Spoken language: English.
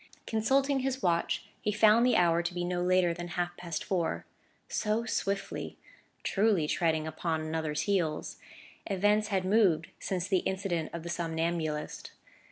Consulting his watch, he found the hour to be no later than half past four: so swiftly (truly treading upon one another's heels) events had moved since the incident of the somnambulist.